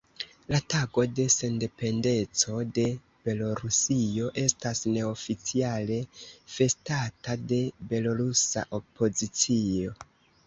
La tago de sendependeco de Belorusio estas neoficiale festata de belorusa opozicio.